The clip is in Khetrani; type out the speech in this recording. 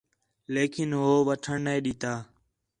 لیکن ہو وٹھݨ نَے ݙِتّا